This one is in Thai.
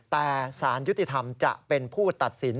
แต่สารยุติธรรมจะเป็นผู้ตัดสิน